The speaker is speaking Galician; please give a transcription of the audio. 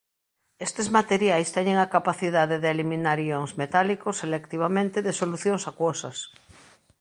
Estes materiais teñen a capacidade de eliminar ións metálicos selectivamente de solucións acuosas.